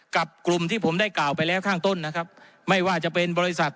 กับกลุ่มที่ผมได้กล่าวไปแล้วข้างต้นนะครับไม่ว่าจะเป็นบริษัท